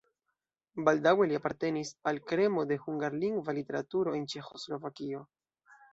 Baldaŭe li apartenis al kremo de hungarlingva literaturo en Ĉeĥoslovakio.